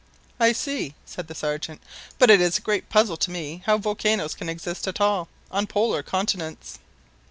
"I see," said the Sergeant; "but it is a great puzzle to me how volcanoes can exist at all. on Polar continents."